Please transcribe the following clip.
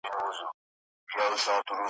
ستا تر آوازه مي بلاله ژوند په داو وهلی `